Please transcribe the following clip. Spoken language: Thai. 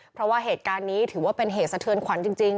เพราะว่าเหตุการณ์นี้ถือว่าเป็นเหตุสะเทือนขวัญจริง